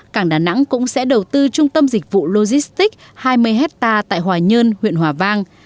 cảng đà nẵng cũng sẽ đầu tư trung tâm dịch vụ logistics hai mươi hectare tại hòa nhơn huyện hòa vang